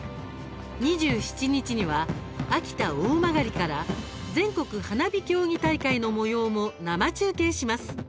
２７日には、秋田・大曲から全国花火競技大会のもようも生中継します。